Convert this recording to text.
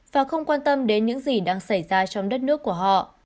và không quan tâm đến những gì đang xảy ra trong đất nước của họ